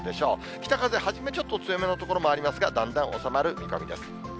北風、初めちょっと強めの所もありますが、だんだん収まる見込みです。